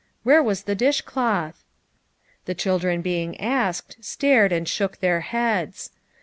Where was the dishcloth ? The children being asked, stared and shook their heads.